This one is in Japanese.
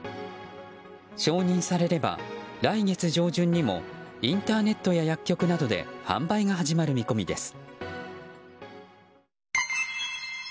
承認されれば、来月上旬にもインターネットや薬局などで販売が始まる見込みです。